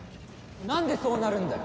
なんでそうなるんだよ！